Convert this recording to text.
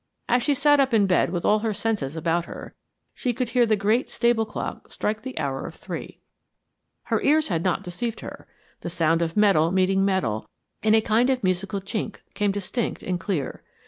As she sat up in bed with all her senses about her, she could hear the great stable clock strike the hour of three. Her ears had not deceived her; the sound of metal meeting metal in a kind of musical chink came distinct and clear.